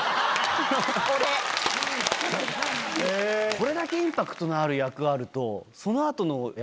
これだけインパクトのある役あると。